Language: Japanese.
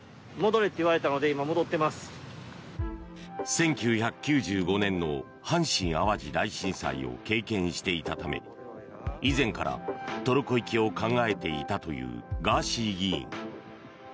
１９９５年の阪神・淡路大震災を経験していたため以前からトルコ行きを考えていたというガーシー議員。